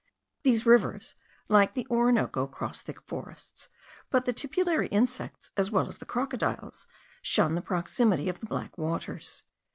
These rivers, like the Orinoco, cross thick forests, but the tipulary insects, as well as the crocodiles, shun the proximity of the black waters.